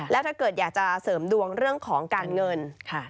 แล้วถ้าเกิดอยากจะเสริมดวงเรื่องของการเงิน